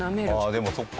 ああでもそっか。